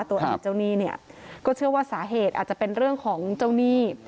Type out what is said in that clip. อดีตเจ้าหนี้เนี่ยก็เชื่อว่าสาเหตุอาจจะเป็นเรื่องของเจ้าหนี้